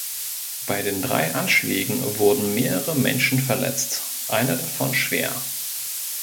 Bei den drei Anschlägen wurden mehrere Menschen verletzt, einer davon schwer.